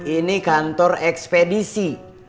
ini kantor ekspedisi